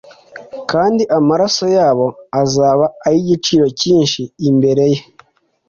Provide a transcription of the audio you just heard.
kandi amaraso yabo azaba ay’igiciro cyinshi imbere ye.”